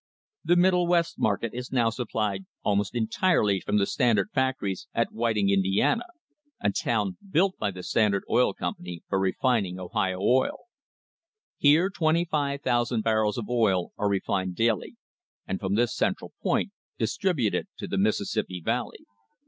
The Middle West market is now supplied almost entirely from the Standard factories at Whit ing, Indiana, a town built by the Standard Oil Company for refining Ohio oil. Here 25,000 barrels of oil are refined daily, and from this central point distributed to the Mississippi Valley.